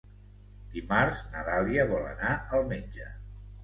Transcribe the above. Dimarts na Dàlia vol anar al metge.